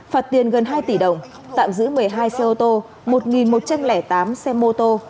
phạt tiền gần hai tỷ đồng tạm giữ một mươi hai xe ô tô một một trăm linh tám xe mô tô